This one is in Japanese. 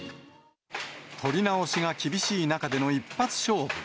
撮り直しが厳しい中での一発勝負。